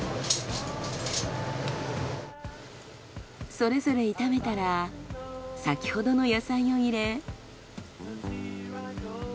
それぞれ炒めたら先ほどの野菜を入れ。